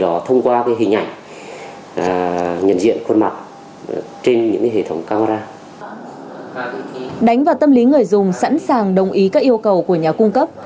đánh vào tâm lý người dùng sẵn sàng đồng ý các yêu cầu của nhà cung cấp